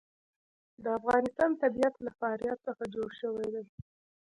د افغانستان طبیعت له فاریاب څخه جوړ شوی دی.